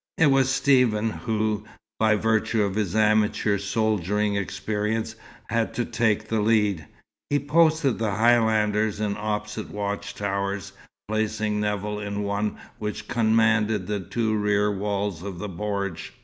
It was Stephen who, by virtue of his amateur soldiering experience, had to take the lead. He posted the Highlanders in opposite watch towers, placing Nevill in one which commanded the two rear walls of the bordj.